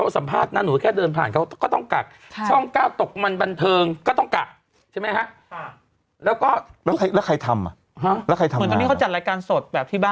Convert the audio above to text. สัมภาษณ์นะหนูแค่เดินผ่านเขาก็ต้องกักช่อง๙ตกมันบันเทิงก็ต้องกักใช่ไหมฮะ